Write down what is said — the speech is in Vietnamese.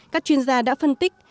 các chuyên gia đã phân tích